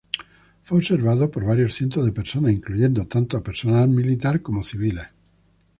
Fue observado por varios cientos de personas, incluyendo tanto a personal militar como civiles.